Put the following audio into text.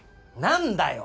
何だよ！